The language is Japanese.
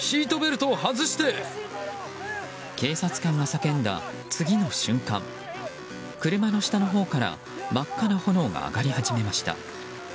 警察官が叫んだ次の瞬間車の下のほうから真っ赤な炎が上がり始めました。